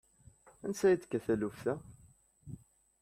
Ansa i d-tekka taluft-a?